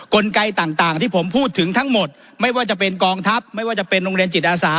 กลไกต่างที่ผมพูดถึงทั้งหมดไม่ว่าจะเป็นกองทัพไม่ว่าจะเป็นโรงเรียนจิตอาสา